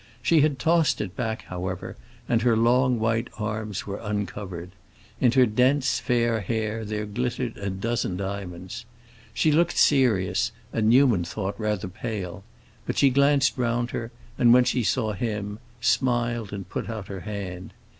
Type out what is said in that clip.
She had tossed it back, however, and her long white arms were uncovered. In her dense, fair hair there glittered a dozen diamonds. She looked serious and, Newman thought, rather pale; but she glanced round her, and, when she saw him, smiled and put out her hand.